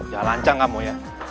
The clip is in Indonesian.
jangan lancang kamu ya